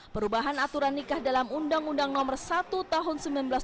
perubahan aturan nikah dalam undang undang nomor satu tahun seribu sembilan ratus sembilan puluh